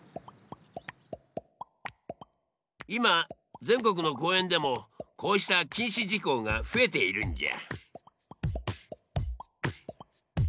今全国の公園でもこうした禁止事項が増えているんじゃ。